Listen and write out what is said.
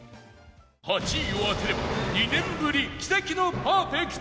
８位を当てれば２年ぶり奇跡のパーフェクト